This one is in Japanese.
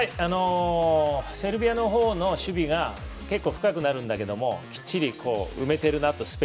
セルビアの方の守備が結構、深くなるんだけどもスペースをきっちり埋めているなと。